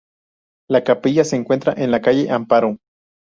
La capilla se encuentra en la calle Amparo.